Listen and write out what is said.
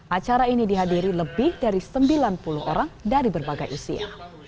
acara ini dihadiri lebih dari sembilan puluh orang dari berbagai usia